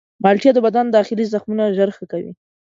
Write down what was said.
مالټې د بدن داخلي زخمونه ژر ښه کوي.